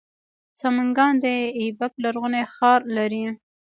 سمنګان د ایبک لرغونی ښار لري